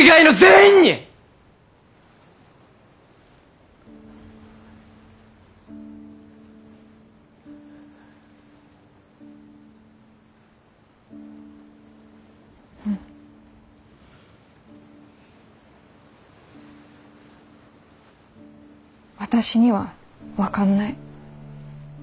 私には分かんない。